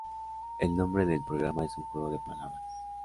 El nombre del programa es un juego de palabras.